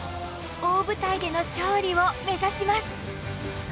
大舞台での勝利を目指します。